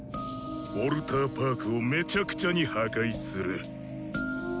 「ウォルターパークをめちゃくちゃに破壊する」。